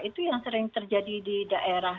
itu yang sering terjadi di daerah